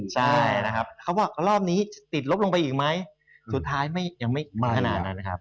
ใช่นะครับเขาบอกรอบนี้ติดลบลงไปอีกไหมสุดท้ายไม่ยังไม่ขนาดนั้นนะครับ